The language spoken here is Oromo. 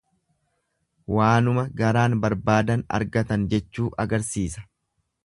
Waanuma garaan barbaadan argatan jechuu agarsiisa.